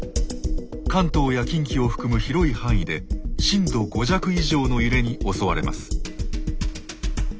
関東や近畿を含む広い範囲で震度５弱以上の揺れに襲われます。